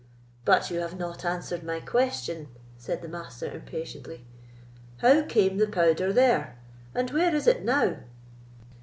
"But you have not answered my question," said the Master, impatiently; "how came the powder there, and where is it now?"